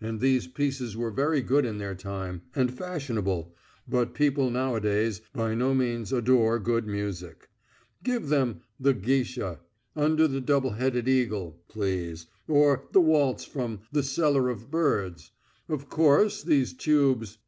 And these pieces were very good in their time, and fashionable, but people nowadays by no means adore good music. Give them 'The Geisha,' 'Under the Double headed Eagle,' please, or the waltz from 'The Seller of Birds.' Of course, these tubes....